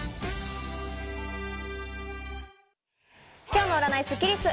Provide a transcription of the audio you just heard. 今日の占いスッキリす。